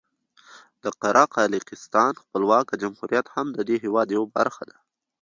د قره قالیاقستان خپلواکه جمهوریت هم د دې هېواد یوه برخه ده.